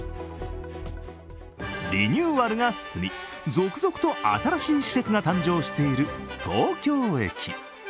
リニューアルが進み、続々と新しい施設が誕生している東京駅。